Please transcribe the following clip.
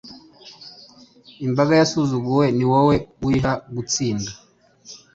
Imbaga yasuzuguwe ni wowe uyiha gutsinda